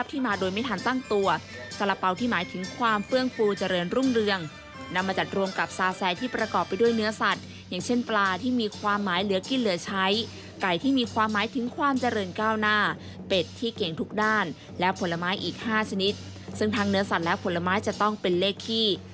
ติดตามรายงานเรื่องนี้จากคุณเขมิกาพรมพันธ์ใจค่ะ